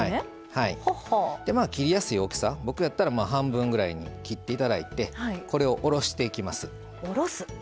切りやすい大きさ僕だったら半分ぐらいに切っていただいてこれをおろしていきます。